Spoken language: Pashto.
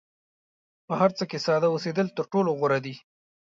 په هر څه کې ساده اوسېدل تر ټولو غوره دي.